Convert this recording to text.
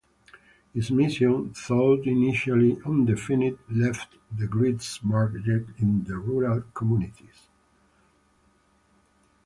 His mission, though initially undefined, left the greatest mark yet in the rural communities